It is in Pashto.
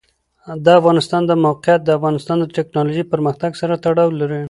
د افغانستان د موقعیت د افغانستان د تکنالوژۍ پرمختګ سره تړاو لري.